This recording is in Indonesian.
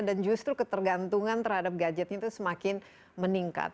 dan justru ketergantungan terhadap gadgetnya itu semakin meningkat